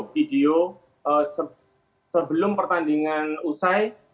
video sebelum pertandingan usai